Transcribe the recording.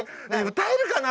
歌えるかな！